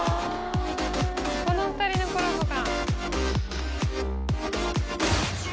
この２人のコラボか。